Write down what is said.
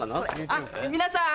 あっ皆さん！